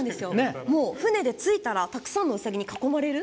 船で着いたらたくさんのウサギに囲まれると。